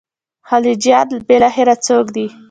خلجیان بالاخره څوک دي.